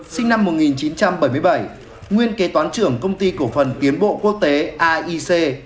sinh năm một nghìn chín trăm bảy mươi bảy nguyên kế toán trưởng công ty cổ phần tiến bộ quốc tế aic